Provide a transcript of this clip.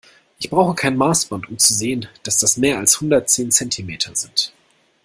Ich brauche kein Maßband, um zu sehen, dass das mehr als hundertzehn Zentimeter sind.